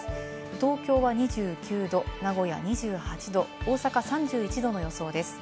東京は２９度、名古屋２８度、大阪３１度の予想です。